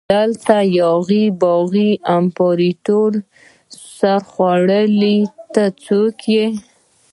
دلته یاغي باغي امپراتوري سرخوړلي ته څوک يي؟